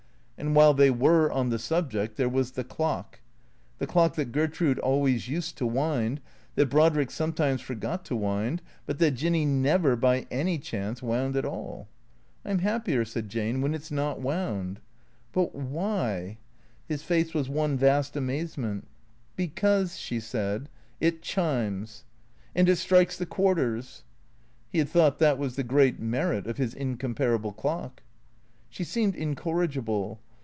And while they were on the subject there was the clock. The clock that Gertrude always used to wind, that Brodrick some times forgot to wind, but that Jinny never by any chance wound at all. " I 'm happier," said Jane, " when it 's not wound." " But why " His face was one vast amazement. " Because," she said, " it chimes. And it strikes the quar ters." He had thought that was the great merit of his incomparable clock. She seemed incorrigible.